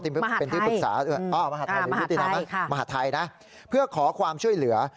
มหาทัยค่ะมหาทัยนะเพื่อขอความช่วยเหลือ